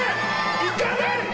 いかない！